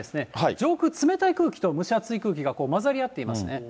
上空、冷たい空気と蒸し暑い空気が混ざり合っていますね。